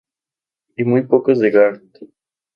Y muy pocos de Garth.